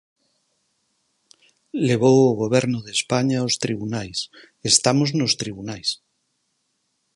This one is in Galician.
Levou o Goberno de España aos tribunais; estamos nos tribunais.